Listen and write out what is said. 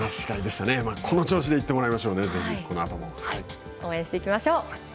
この調子でいってもらいましょうね応援していきましょう。